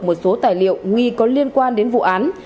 một số tài liệu nghi có liên quan đến vụ án